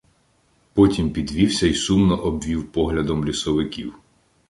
Потім підвівся й сумно обвів поглядом лісовиків.